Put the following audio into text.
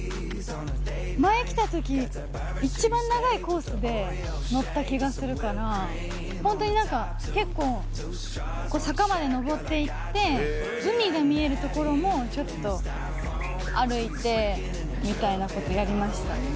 前来たとき、一番長いコースで乗った気がするから、本当になんか、結構、坂まで上って行って、海が見える所もちょっと歩いてみたいなことやりました。